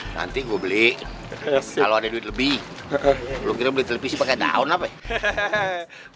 nanti gue beli kalo ada duit lebih lo kira beli televisi pake daun apa ya